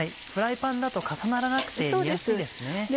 フライパンだと重ならなくて煮やすいですね。